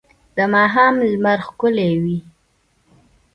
د ماښام لمر ښکلی و.